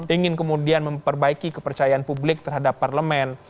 ingin kemudian memperbaiki kepercayaan publik terhadap parlemen